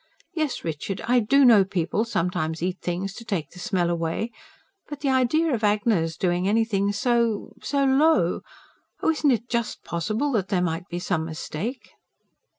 Yes, Richard, I do know people sometimes eat things to take the smell away. But the idea of Agnes doing anything so ... so low oh, isn't it JUST possible there might be some mistake?"